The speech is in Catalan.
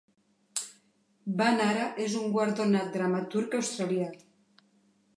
Van ara és un guardonat dramaturg australià.